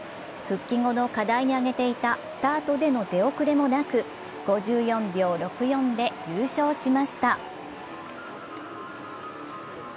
復帰後の課題に挙げていたスタートでの出遅れもなく、５４秒６４で優勝しました。